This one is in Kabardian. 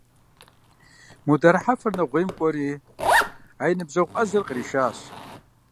Мудар Хьэфэр Нэгъуейм кӀуэри а и ныбжьэгъу Ӏэзэр къришащ.